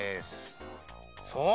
そう！